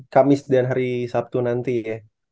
kamis dan hari sabtu nanti ya